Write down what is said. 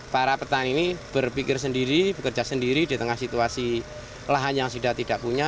para petani ini berpikir sendiri bekerja sendiri di tengah situasi lahan yang sudah tidak punya